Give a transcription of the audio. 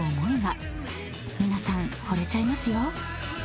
［皆さんほれちゃいますよ］